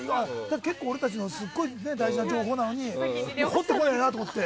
すごい大事な情報なのに掘ってこないなと思って。